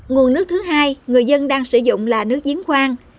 nguồn nước thứ hai người dân đang sử dụng là nước giếng khoan